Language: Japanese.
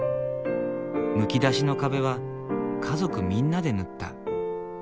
むき出しの壁は家族みんなで塗った。